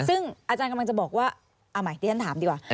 ซึ่งอาจารย์กำลังจะบอกว่าเอาใหม่ดิฉันถามดีกว่า